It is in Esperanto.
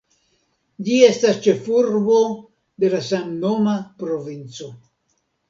Ĝi estas ĉefurbo de la samnoma provinco.